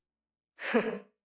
フッ。